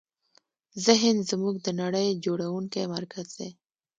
ذهن زموږ د نړۍ جوړوونکی مرکز دی.